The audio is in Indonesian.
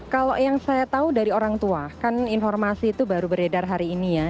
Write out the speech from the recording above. kalau yang saya tahu dari orang tua kan informasi itu baru beredar hari ini ya